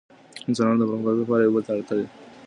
انسانان د پرمختګ لپاره يو بل ته اړ دي.